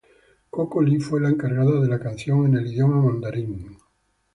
Coco Lee fue la encargada de la canción en el idioma mandarín.